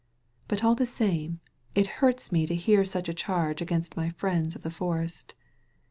But all the same, it hurts me to hear such a charge against my friends of the forest.